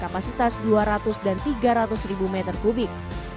kapasitas dua ratus dan tiga ratus ribu meter kubik